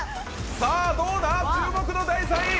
さぁどうだ注目の第３位！